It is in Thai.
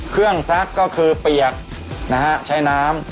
เครื่องซักก็คือเปียกใช้น้ำ